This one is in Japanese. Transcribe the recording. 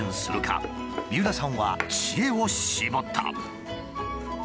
三浦さんは知恵を絞った。